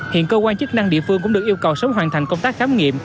hiện cơ quan chức năng địa phương cũng được yêu cầu sớm hoàn thành công tác khám nghiệm